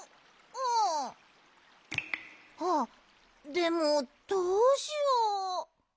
でもどうしよう。